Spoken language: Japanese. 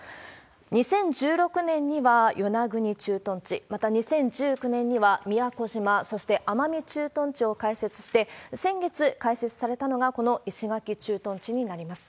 ２０１６年には与那国駐屯地、また、２０１９年には宮古島、そして奄美駐屯地を開設して、先月開設されたのがこの石垣駐屯地になります。